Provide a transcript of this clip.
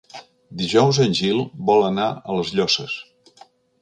Dijous en Gil vol anar a les Llosses.